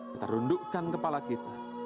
kita rundukkan kepala kita